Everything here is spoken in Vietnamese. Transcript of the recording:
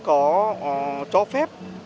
có cho phép